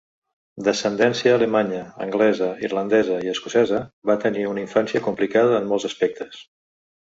D'ascendència alemanya, anglesa, irlandesa i escocesa, va tenir una infància complicada en molts aspectes.